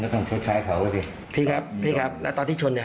แล้วหลังจากนั้นพี่ก็มาบอบตัวละ